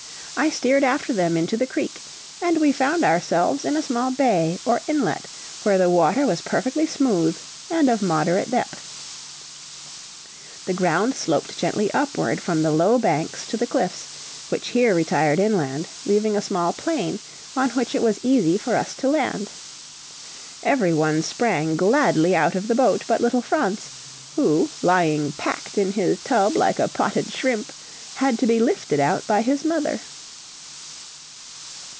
I steered after them into the creek, and we found ourselves in a small bay or inlet where the water was perfectly smooth and of moderate depth. The ground sloped gently upward from the low banks to the cliffs, which here retired inland, leaving a small plain, on which it was easy for us to land. Every one sprang gladly out of the boat but little Franz, who, lying packed in his tub like a potted shrimp, had to be lifted out by his mother.